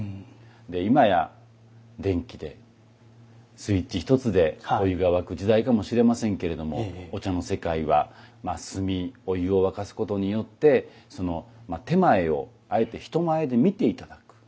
今や電気でスイッチ１つでお湯が沸く時代かもしれませんけれどもお茶の世界はまあ炭お湯を沸かすことによって点前をあえて人前で見て頂く。